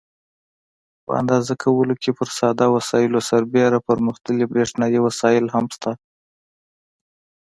په اندازه کولو کې پر ساده وسایلو سربیره پرمختللي برېښنایي وسایل هم شته.